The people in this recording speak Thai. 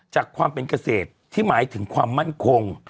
จากความเป็นเกษตรที่หมายถึงความมั่นคง